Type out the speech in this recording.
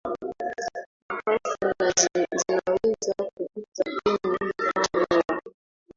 mapafu na zinaweza kupita kwenye mfumo wa